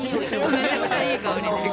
めちゃくちゃいい香りです。